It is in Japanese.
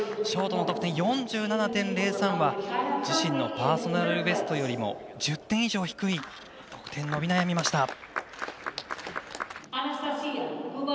ショートの得点、４７．０３は自身のパーソナルベストよりも１０点以上低く得点は伸び悩みました。